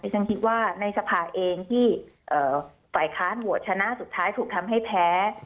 ฉันคิดว่าในสภาเองที่ฝ่ายค้านโหวตชนะสุดท้ายถูกทำให้แพ้